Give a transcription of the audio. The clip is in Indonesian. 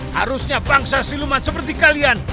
harusnya bangsa siluman seperti kalian